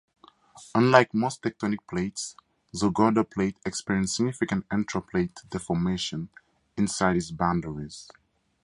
Unlike most tectonic plates, the Gorda Plate experiences significant intraplate deformation inside its boundaries.